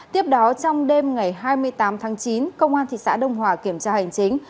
tiếp đó trong đêm ngày hai mươi tám tháng chín công an thị xã đông hòa kiểm tra hành chính